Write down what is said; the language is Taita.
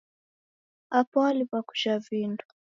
Apa waliw'a kujha vindo.